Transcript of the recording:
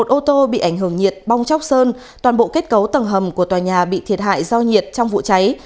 một ô tô bị ảnh hưởng nhiệt bong chóc sơn toàn bộ kết cấu tầng hầm của tòa nhà bị thiệt hại do nhiệt trong vụ cháy